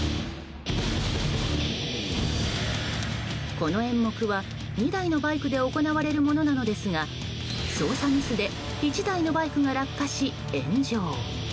この演目は２台のバイクで行われるものなのですが操作ミスで１台のバイクが落下し炎上。